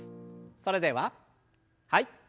それでははい。